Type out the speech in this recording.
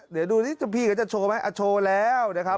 เดี๋ยวดูสิพี่เขาจะโชว์ไหมโชว์แล้วนะครับ